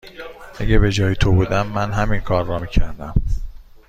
اگر به جای تو بودم، من همین کار را می کردم.